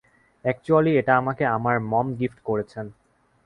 Actually এটা আমাকে আমার মম গিফট করেছেন।